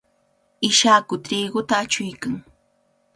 Ishaku triquta achuykan.